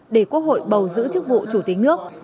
để quốc hội bầu giữ chức vụ chủ tịch nước